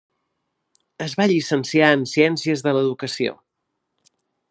Es va llicenciar en Ciències de l'Educació.